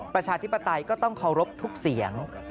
ประชาธิปไตยก็ต้องเคารพทุกเสียง